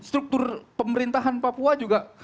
struktur pemerintahan papua juga